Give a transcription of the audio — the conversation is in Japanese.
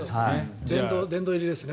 殿堂入りですね。